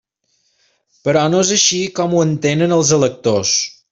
Però no és així com ho entenen els electors.